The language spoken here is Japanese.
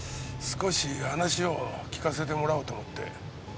少し話を聞かせてもらおうと思って。